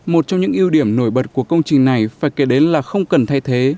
một trong những ưu điểm nổi bật của công trình này phải kể đến là không cần thay thế